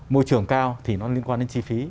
môi trường cao thì nó liên quan đến chi phí